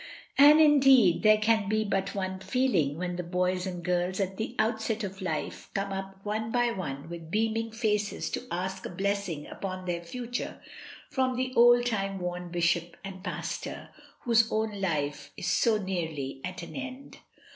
And indeed there can be but one feeling when the boys and girls at the outset of life come up one by one with beaming faces to ask a blessing upon their future from the old time worn bishop and pastor, whose own life is so nearly at an end.